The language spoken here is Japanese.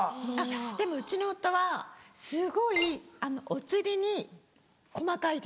でもうちの夫はすごいお釣りに細かいです。